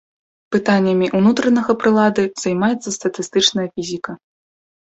Пытаннямі ўнутранага прылады займаецца статыстычная фізіка.